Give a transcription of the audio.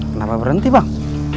kenapa berhenti bang